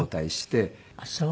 あっそう。